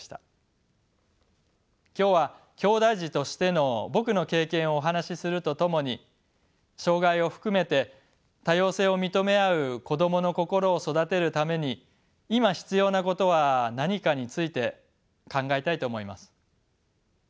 今日はきょうだい児としての僕の経験をお話しするとともに障がいを含めて多様性を認め合う子どもの心を育てるために今必要なことは何かについて考えたいと思います。